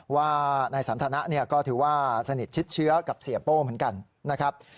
ว่านายสันทนะก็ถือว่าสนิทชิดเชื้อกับเสียโป้เหมือนกันนะครับ